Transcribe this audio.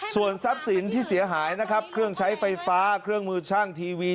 ส่วนทรัพย์สินที่เสียหายนะครับเครื่องใช้ไฟฟ้าเครื่องมือช่างทีวี